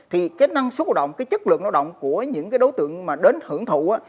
thì cái năng suất hoạt động cái chất lượng hoạt động của những cái đối tượng mà đến hưởng thụ á